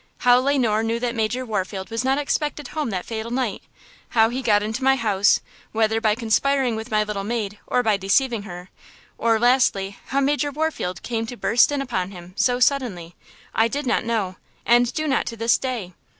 How Le Noir knew that Major Warfield was not expected home that fatal night–how he got into my house, whether by conspiring with my little maid or by deceiving her–or, lastly, how Major Warfield came to burst in upon him so suddenly, I did not know, and do not to this day."